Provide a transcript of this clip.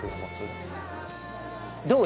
どう？